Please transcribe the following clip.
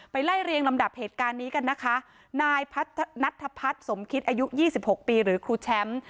ไล่เรียงลำดับเหตุการณ์นี้กันนะคะนายนัทพัฒน์สมคิดอายุ๒๖ปีหรือครูแชมป์